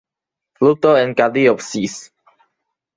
Fruto en cariopsis.